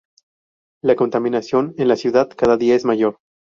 La contaminación en la ciudad cada día es mayor.